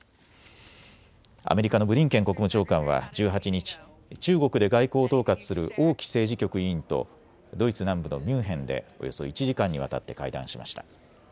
アメリカのブリンケン国務長官は１８日、中国で外交を統括する王毅政治局委員とドイツ南部のミュンヘンでおよそ１時間にわたって会談しました。